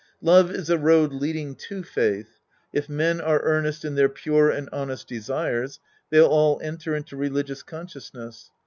Love is a road leading to faith. If men are earnest in their pure and honest desires, they'll all enter into religious consciousness.